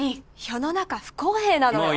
世の中不公平なのよ